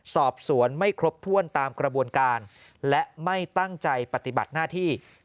สอบสวนไม่ครบถ้วนตามกระบวนการและไม่ตั้งใจปฏิบัติหน้าที่